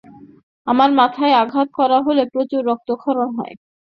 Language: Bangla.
তাঁর মাথায় আঘাত করা হলে প্রচুর রক্তক্ষরণ হয়।